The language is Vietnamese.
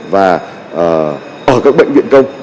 và ở các bệnh viện công